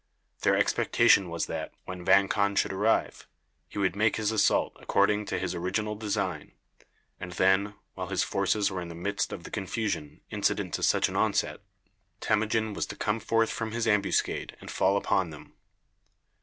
Their expectation was that, when Vang Khan should arrive, he would make his assault according to his original design, and then, while his forces were in the midst of the confusion incident to such an onset, Temujin was to come forth from his ambuscade and fall upon them.